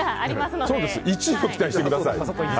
１位を期待してください。